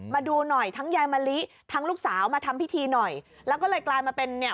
มาดูหน่อยทั้งยายมะลิทั้งลูกสาวมาทำพิธีหน่อยแล้วก็เลยกลายมาเป็นเนี่ย